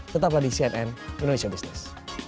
tetaplah di cnn indonesia business